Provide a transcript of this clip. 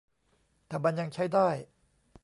ถ้ามันยังใช้ได้